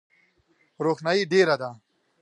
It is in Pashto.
روښنایي ډېره ده .